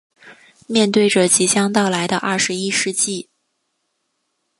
面对着即将到来的二十一世纪